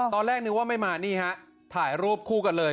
ตอนแรกนึกว่าไม่มานี่ฮะถ่ายรูปคู่กันเลย